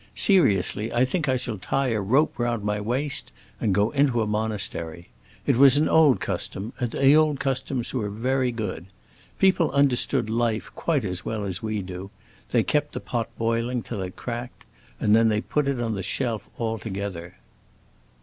Seriously, I think I shall tie a rope round my waist and go into a monastery. It was an old custom, and the old customs were very good. People understood life quite as well as we do. They kept the pot boiling till it cracked, and then they put it on the shelf altogether."